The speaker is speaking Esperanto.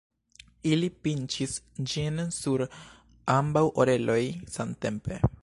Ili pinĉis ĝin sur ambaŭ oreloj samtempe.